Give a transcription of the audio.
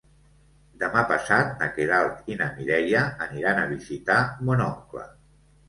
Demà passat na Queralt i na Mireia aniran a visitar mon oncle.